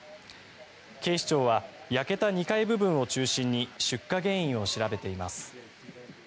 警視庁は焼けた２階部分を中心に出火原因を調べています。